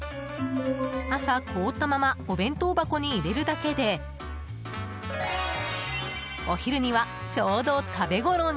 朝、凍ったままお弁当箱に入れるだけでお昼にはちょうど食べごろに。